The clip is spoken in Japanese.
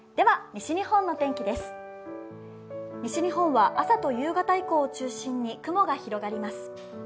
西日本は朝と夕方以降を中心に雲が広がります。